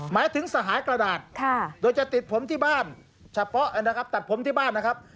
หมายถึงสหายกระดาษโดยจะติดผมที่บ้านเฉพาะนะครับตัดผมที่บ้านนะครับ